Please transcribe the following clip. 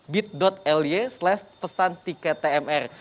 bit ly slash pesan tiket tmr